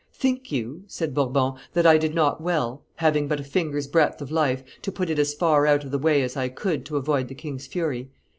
"Think you," said Bourbon, "that I did not well, having but a finger's breadth of life, to put it as far out of the way as I could to avoid the king's fury?"